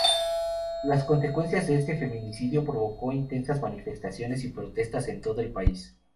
Las consecuencias de este femicidio provocó intensas manifestaciones y protestas en todo el país.